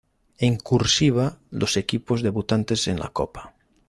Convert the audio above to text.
En "cursiva", los equipos debutantes en la copa.